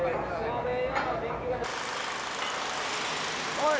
おい。